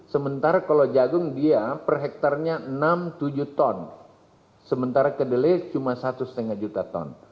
sementara kalau jagung dia per hektarnya enam tujuh ton sementara kedelai cuma satu lima juta ton